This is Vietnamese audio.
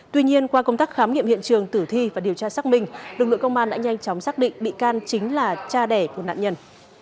tuy nhiên qua công tác khám nghiệm hiện trường tử thi và điều tra xác minh lực lượng công an đã nhanh chóng xác định bị can chính là cha đẻ của nạn nhân